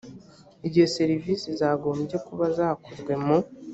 igihe servisi zagombye kuba zakozwe mu